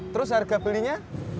terus harga belinya